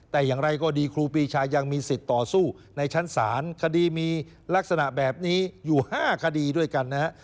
แต่อย่างไรก็ดีครูปีชายังมีสิทธิ์ต่อสู้ในชั้นศาลคดีมีลักษณะแบบนี้อยู่๕คดีด้วยกันนะฮะ